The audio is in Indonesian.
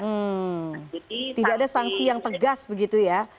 hmm tidak ada sanksi yang tegas begitu ya